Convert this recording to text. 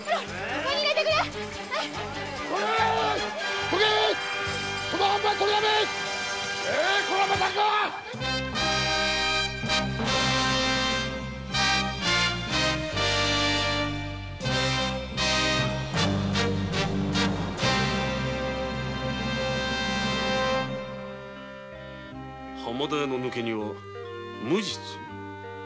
待てぇ「浜田屋の抜け荷は無実」！？